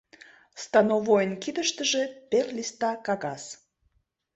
Становойын кидыштыже пел листа кагаз.